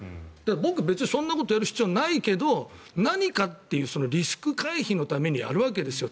僕は別にそんなことをやる必要はないけど何かっていうリスク回避のためにやるんですよ